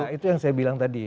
nah itu yang saya bilang tadi